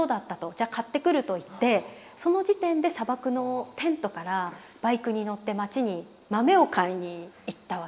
「じゃ買ってくる」と言ってその時点で砂漠のテントからバイクに乗って町に豆を買いに行ったわけです。